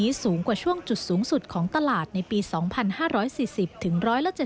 สูงกว่าช่วงจุดสูงสุดของตลาดในปี๒๕๔๐ถึง๑๗๐